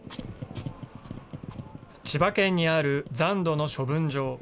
千葉県にある残土の処分場。